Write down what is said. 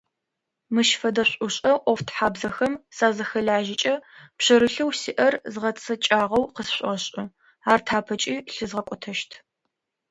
Мыщ фэдэ шӏушӏэ ӏофтхьабзэхэм сазыхэлажьэкӏэ пшъэрылъэу сиӏэр згъэцэкӏагъэу къысшӏошӏы, ар тапэкӏи лъызгъэкӏотэщт.